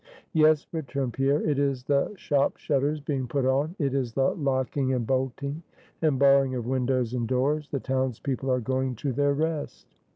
"Yes," returned Pierre, "it is the shop shutters being put on; it is the locking, and bolting, and barring of windows and doors; the town's people are going to their rest."